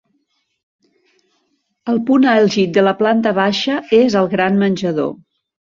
El punt àlgid de la planta baixa és el gran menjador.